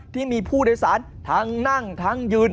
ที่มีผู้โดยสารทั้งนั่งทั้งยืน